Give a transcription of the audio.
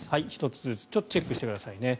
１つずつチェックしてくださいね。